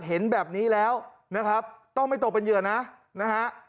เห็นแบบนี้แล้วนะครับต้องไม่ตกเป็นเหยื่อนะนะฮะ